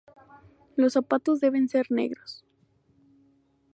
Los zapatos deben ser negros.